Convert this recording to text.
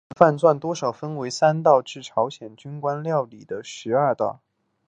按饭馔多少分为三道至朝鲜宫廷料理的十二道。